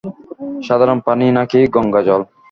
সাধারণ পানি নাকি গঙ্গা জল?